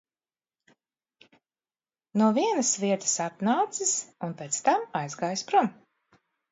No vienas vietas atnācis un pēc tam aizgājis prom.